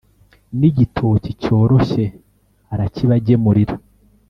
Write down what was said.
n’igitoki cyoroshye, arakibagemurira.